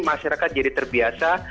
masyarakat jadi terbiasa